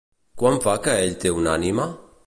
Quant fa que ell té una ànima?